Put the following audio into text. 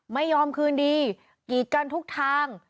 ไม่ยอมคืนดีกีดกันทุกทาง